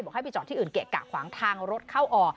ให้ไปจอดที่อื่นเกะกะขวางทางรถเข้าออก